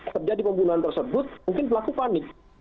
terjadi pembunuhan tersebut mungkin pelaku panik